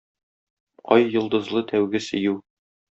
Ай-йолдызлы тәүге сөю